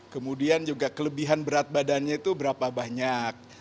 kemudian juga kelebihan berat badannya itu berapa banyak